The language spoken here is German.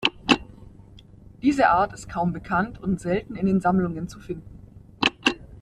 Diese Art ist kaum bekannt und selten in den Sammlungen zu finden.